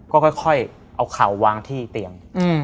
ก็ค่อยเอาเข่าวางที่เตียง